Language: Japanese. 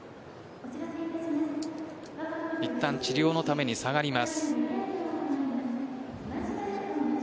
いったん治療のために下がります。